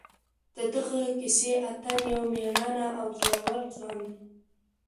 د دغې کیسې اتل یو مېړنی او زړور ځوان دی.